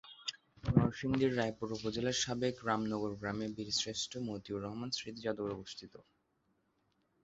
নরসিংদীর রায়পুরা উপজেলার সাবেক রামনগর গ্রামে বীরশ্রেষ্ঠ মতিউর রহমান স্মৃতি জাদুঘর অবস্থিত।